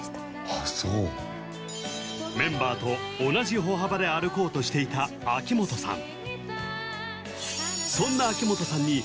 あそうメンバーと同じ歩幅で歩こうとしていた秋元さん